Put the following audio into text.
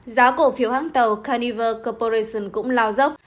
giá cổ phiếu hãng tàu carnival corporation cũng lao dốc